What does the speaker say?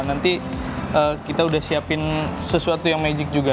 nanti kita udah siapin sesuatu yang magic juga